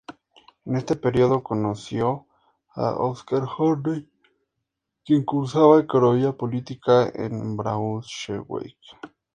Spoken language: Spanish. En este período conoció a Oskar Horney, quien cursaba economía política en Braunschweig.